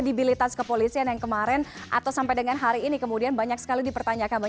dikonspirasi dan juga penyelidikan